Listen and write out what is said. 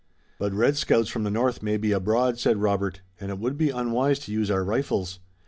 "But red scouts from the north may be abroad," said Robert, "and it would be unwise to use our rifles.